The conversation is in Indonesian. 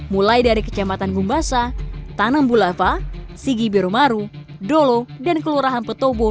mulai dari kecamatan gumbasa tanam bulava sigi biromaru dolo dan kelurahan petobo di kota palu